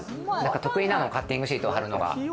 得意なの、カッティングシートはるのが。